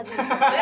え！